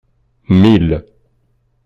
Mil.